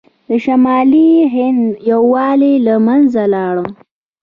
د شمالي هند یووالی له منځه لاړ.